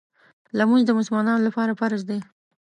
لمونځ د مسلمانانو لپاره فرض دی.